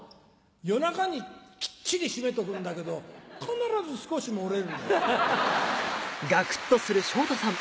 夜中にきっちりしめとくんだけど必ず少し漏れるんだよ。